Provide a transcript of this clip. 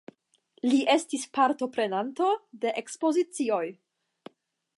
Li estis partoprenanto de ekspozicioj.